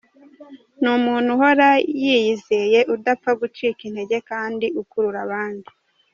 Ni umuntu uhora yiyizeye, udapfa gucika intege kandi ukurura abandi.